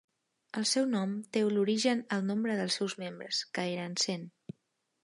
El seu nom té l'origen al nombre dels seus membres, que eren cent.